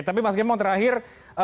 tapi mas gembong terakhir